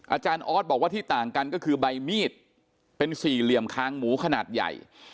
อาจารย์ออสบอกว่าที่ต่างกันก็คือใบมีดเป็นสี่เหลี่ยมคางหมูขนาดใหญ่